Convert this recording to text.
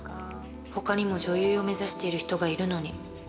ほかにも女優を目指してる人がいるのに。